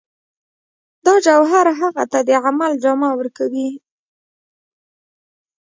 دا جوهر هغه ته د عمل جامه ورکوي